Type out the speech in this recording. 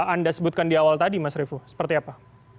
anda sebutkan di awal tadi mas revo seperti apa